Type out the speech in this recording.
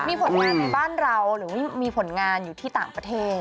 มีผลงานในบ้านเราหรือว่ามีผลงานอยู่ที่ต่างประเทศ